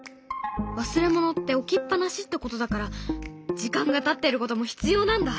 忘れ物って置きっ放しってことだから時間がたってることも必要なんだ。